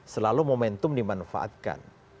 selalu momentum dimanfaatkan